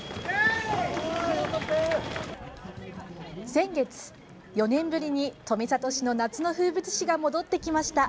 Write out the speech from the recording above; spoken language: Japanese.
先月、４年ぶりに富里市の夏の風物詩が戻ってきました。